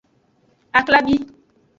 Aklabi.